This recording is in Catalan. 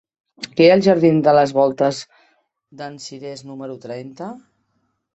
Què hi ha als jardins de les Voltes d'en Cirés número trenta?